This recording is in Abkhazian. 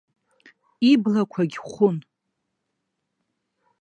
Иблақәагь хәын.